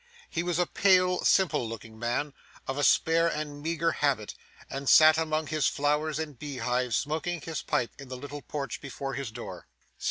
He was a pale, simple looking man, of a spare and meagre habit, and sat among his flowers and beehives, smoking his pipe, in the little porch before his door.